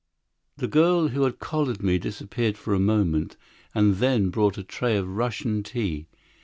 The girl who had collared me disappeared for a moment, and then brought a tray of Russian tea.